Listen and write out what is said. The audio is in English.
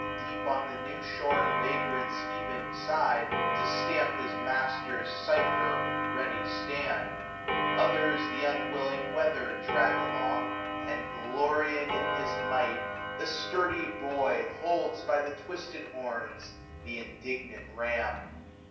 Deep on the new*shom vagrant's heaving side. To stamp his master's cypher ready stand } Others th' unwilling wether dtag along i And, glorying in his might, the sturdy boy 410 Holds by the twisted horns th' indignant ram.